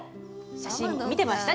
写真見てました？